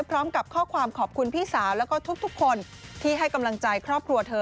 พร้อมกับข้อความขอบคุณพี่สาวแล้วก็ทุกคนที่ให้กำลังใจครอบครัวเธอ